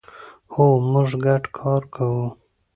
هو، موږ ګډ کار کوو